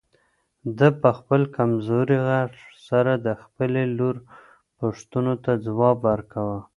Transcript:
ده په خپل کمزوري غږ سره د خپلې لور پوښتنو ته ځواب ورکاوه.